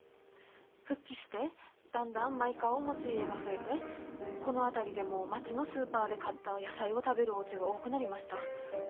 復帰してだんだんマイカーを持つ家が増えてこの辺りでも町のスーパーで買った野菜を食べるおうちが多くなりました。